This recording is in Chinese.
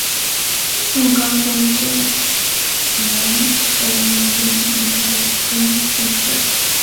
宋高宗建炎二年林安宅中进士。